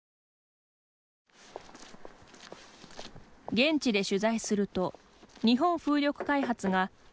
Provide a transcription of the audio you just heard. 現地で取材すると日本風力開発が地元対策として